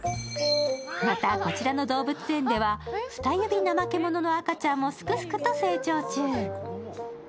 また、こちらの動物園ではフタユビナマケモノの赤ちゃんもすくすくと成長中。